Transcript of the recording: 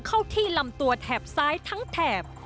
เข้าที่ลำตัวแถบซ้ายทั้งแถบ